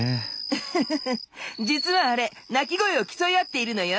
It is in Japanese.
ウフフフ実はあれ鳴き声を競い合っているのよ。